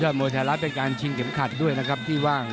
มวยไทยรัฐเป็นการชิงเข็มขัดด้วยนะครับที่ว่าง